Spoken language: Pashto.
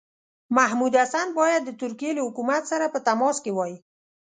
محمودالحسن باید د ترکیې له حکومت سره په تماس کې وای.